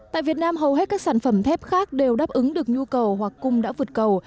tại việt nam hầu hết các sản phẩm thép khác đều đáp ứng được nhu cầu hoặc cung đã vượt cầu